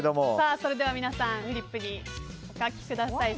それでは皆さんフリップにお書きください。